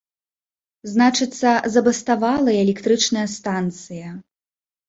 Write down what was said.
Значыцца, забаставала і электрычная станцыя.